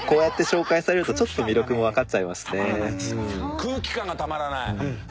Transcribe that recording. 空気感がたまらない？